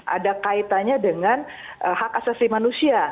ada kaitannya dengan hak asasi manusia